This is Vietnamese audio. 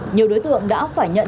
nhiều đối tượng đã phải nhận